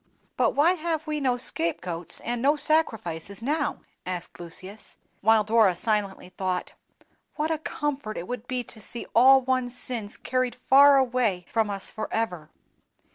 '" "But why have we no scape goats and no sacrifices now?" asked Lucius; while Dora silently thought, "What a comfort it would be to see all one's sins carried far away from us forever!"